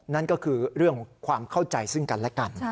นั่นก็คือเรื่องของความเข้าใจซึ่งกันและกัน